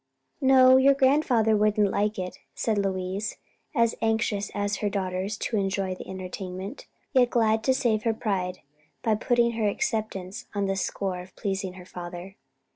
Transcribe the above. "No, your grandfather wouldn't like it," said Louise, as anxious as her daughters to enjoy the entertainment, yet glad to save her pride, by putting her acceptance on the score of pleasing her father.